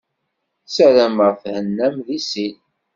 Sarameɣ thennam deg sin.